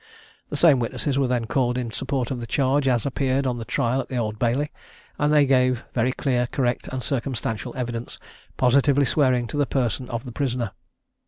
The same witnesses were then called in support of the charge as appeared on the trial at the Old Bailey; and they gave very clear, correct, and circumstantial evidence, positively swearing to the person of the prisoner.